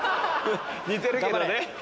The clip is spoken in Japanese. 似てるけどね。